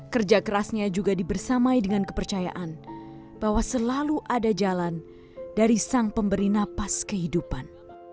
kerja kerasnya juga dibersamai dengan kepercayaan bahwa selalu ada jalan dari sang pemberi napas kehidupan